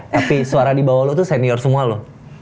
tapi suara di bawah lo tuh senior semua loh